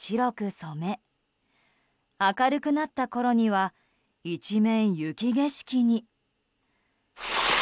染め明るくなったころには一面、雪景色に。